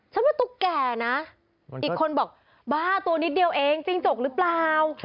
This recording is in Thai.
ว่าตุ๊กแก่นะอีกคนบอกบ้าตัวนิดเดียวเองจิ้งจกหรือเปล่า